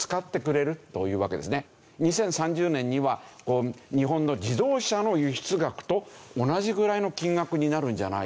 ２０３０年には日本の自動車の輸出額と同じぐらいの金額になるんじゃないか？